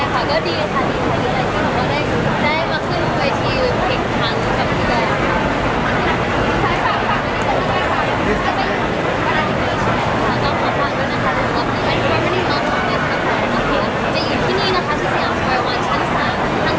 ขอขอบคุณนะครับทุกคนครับทุกวันนี้มันไม่มีความรู้สึกครับครับ